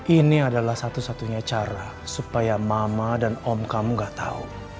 ini adalah satu satunya cara supaya mama dan om kamu gak tahu